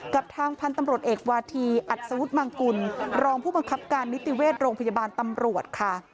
กับทางพันธุ์ตำรวจเอกวาธีอัศวุฒิมังกุลรองผู้บังคับการนิติเวชโรงพยาบาลตำรวจค่ะ